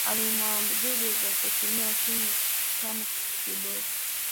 Alimwadhibu kwa kutumia simu kama kiboko.